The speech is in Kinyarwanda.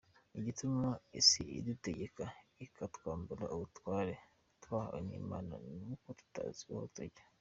Igituma isi idutegeka ikatwambura ubutware twahawe n’Imana, ni uko tutazi iyo tujya.